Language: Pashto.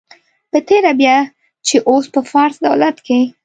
په تېره بیا چې اوس په فارس دولت کې.